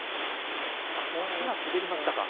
足が滑りましたか。